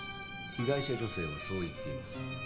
被害者女性はそう言っています。